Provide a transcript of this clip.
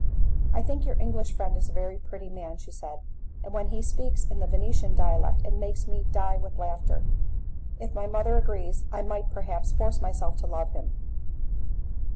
"I think your English friend is a very pretty man," she said, "and when he speaks in the Venetian dialect it makes me die with laughter. If my mother agrees, I might, perhaps, force myself to love him.